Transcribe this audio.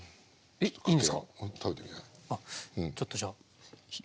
ちょっとじゃあ１つ。